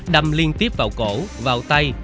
đâm liên tiếp vào cổ vào tay